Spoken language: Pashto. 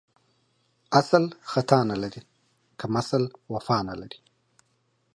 اسل ختا نه لري ، کمسل وفا نه لري.